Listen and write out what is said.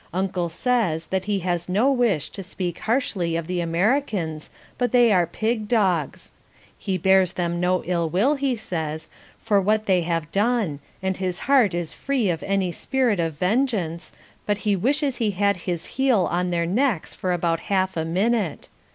Uncle says that he has no wish to speak harshly of the Americans, but they are pig dogs. He bears them no ill will, he says, for what they have done and his heart is free of any spirit of vengeance, but he wishes he had his heel on their necks for about half a minute.